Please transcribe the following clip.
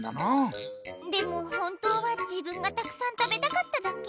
でも本当は自分がたくさん食べたかっただけ。